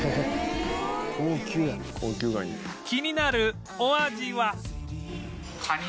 気になるお味は